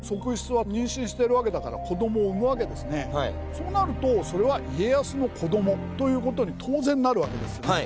そうなるとそれは。ということに当然なるわけですよね。